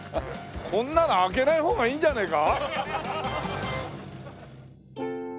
これなら開けない方がいいんじゃねえか？